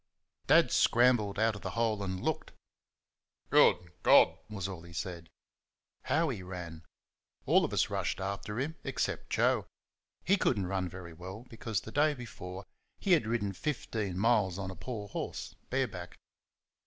Dad scrambled out of the hole and looked. "Good God!" was all he said. How he ran! All of us rushed after him except Joe he could n't run very well, because the day before he had ridden fifteen miles on a poor horse, bare back.